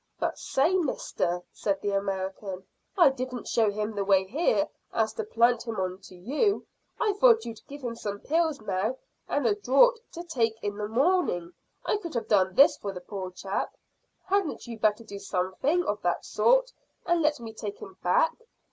"But say, mister," said the American; "I didn't show him the way here so as to plant him on to you. I thought you'd give him some pills now and a draught to take in the morning. I could have done this for the poor chap. Hadn't you better do something of that sort and let me take him back?